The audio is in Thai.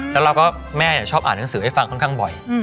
แล้วเราก็แม่ชอบอ่านหนังสือให้ฟังค่อนข้างบ่อย